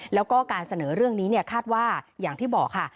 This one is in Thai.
แล้วก็การเสนอเรื่องนี้คาดว่าอย่างที่บอกค่ะ